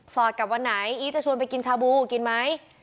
ฟอร์ตกลับวันนั้นไหนอี๋จะชวนไปกินชาบูกินไหม